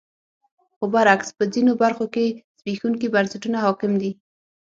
خو برعکس په ځینو برخو کې زبېښونکي بنسټونه حاکم دي.